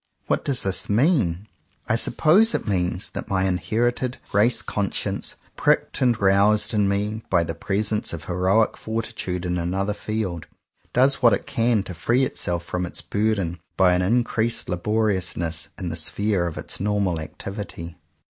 What does this mean.? I suppose it means that my 143 CONFESSIONS OF TWO BROTHERS inherited race conscience, pricked and roused in me by the presence of heroic fortitude in another field, does what it can to free itself from its burden by an in creased laboriousness in the sphere of its normal activity.